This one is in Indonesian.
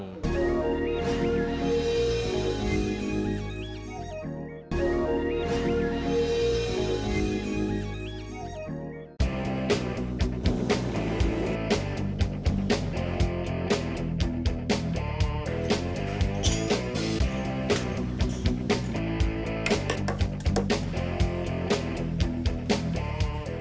produksi uang kepeng ini